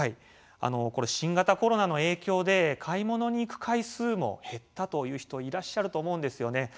新型コロナの影響で買い物に行く回数も減ったという人いらっしゃると思うんですよね。